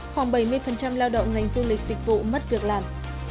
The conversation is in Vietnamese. khoảng bảy mươi lao động ngành du lịch dịch vụ mất việc làm